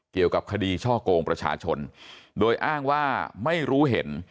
เกี่ยวกับคดีช่อกงประชาชนโดยอ้างว่าไม่รู้เห็น